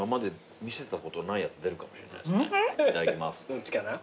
どっちかな？